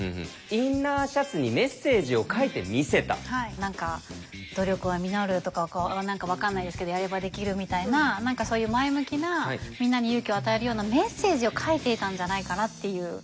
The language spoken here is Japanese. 何か「努力は実る」とかこう何か分かんないですけど「やればできる」みたいな何かそういう前向きなみんなに勇気を与えるようなメッセージを書いていたんじゃないかなっていう。